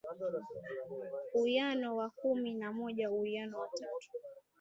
uwiano wa kumi na moja uwiano wa tatu